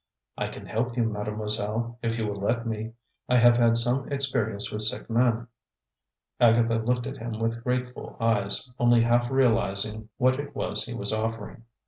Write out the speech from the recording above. "I can help you, Mademoiselle, if you will let me. I have had some experience with sick men." Agatha looked at him with grateful eyes, only half realizing what it was he was offering.